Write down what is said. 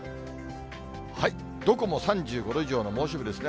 どこも３５度以上の猛暑日ですね。